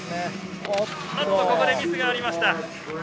ここでミスがありました。